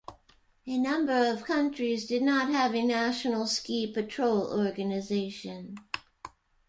A number of countries did not have a national ski patrol organisation.